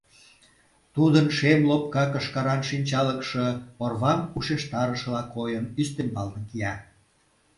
Тудын шем лопка кышкаран шинчалыкше, орвам ушештарышыла койын, ӱстембалне кия.